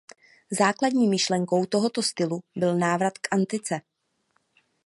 Základní myšlenkou tohoto stylu byl návrat k antice.